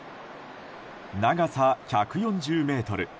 長さ１４０ｍ。